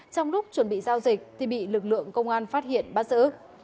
trong lúc chuẩn bị giao dịch thì bị lực lượng công an phát hiện bắt giữ